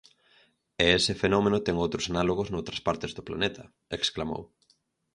"E ese fenómeno ten outros análogos noutras partes do planeta", exclamou.